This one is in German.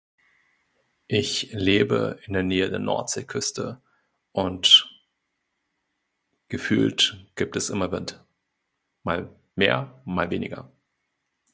Ich lebe in der Nähe der Nordseeküste und gefühlt gibt es immer Wind. Mal mehr, mal weniger.